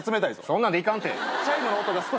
そんなんで行かん。